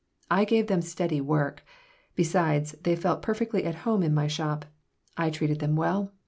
I gave them steady work. Besides, they felt perfectly at home in my shop. I treated them well.